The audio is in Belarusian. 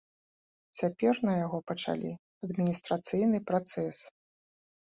Цяпер на яго пачалі адміністрацыйны працэс.